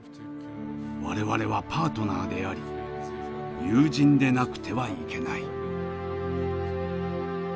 我々はパートナーであり友人でなくてはいけない」。